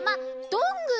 どんぐー？